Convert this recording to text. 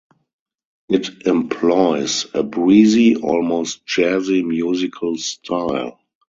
It employs a "breezy, almost jazzy musical style".